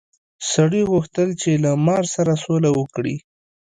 سړي غوښتل چې له مار سره سوله وکړي.